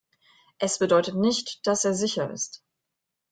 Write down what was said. Es bedeutet nicht, dass er sicher ist.